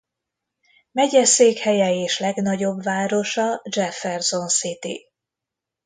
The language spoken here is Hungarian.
Megyeszékhelye és legnagyobb városa Jefferson City.